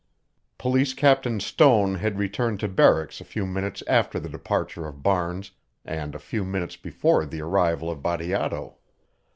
Police Captain Stone had returned to barracks a few minutes after the departure of Barnes and a few minutes before the arrival of Bateato.